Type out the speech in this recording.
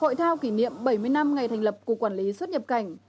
hội thao kỷ niệm bảy mươi năm ngày thành lập cục quản lý xuất nhập cảnh